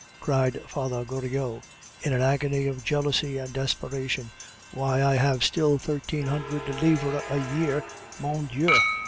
cried Father Goriot, in an agony of jealousy and desperation. "Why, I have still thirteen hundred livres a year! _Mon Dieu!